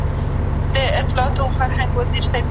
ځینو نااهلو کسانو، چي زه یقین لرم